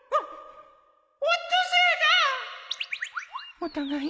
お互いゆ